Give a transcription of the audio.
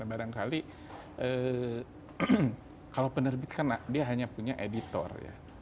barangkali kalau penerbit kan dia hanya punya editor ya